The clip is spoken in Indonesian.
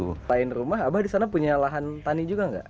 selain rumah abah disana punya lahan tani juga gak